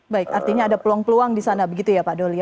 baik artinya ada peluang peluang di sana begitu ya pak doli